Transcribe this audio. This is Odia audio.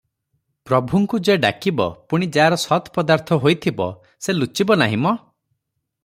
ପ୍ରଭୁଙ୍କୁ ଯେ ଡାକିବ ପୁଣି ଯାର ସତ୍ପଦାର୍ଥ ହୋଇଥିବ ସେ ଲୁଚିବନାହିଁ ମ?